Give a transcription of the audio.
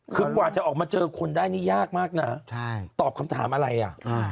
คือกว่าจะออกมาเจอคนได้นี่ยากมากนะตอบคำถามอะไรอ่ะ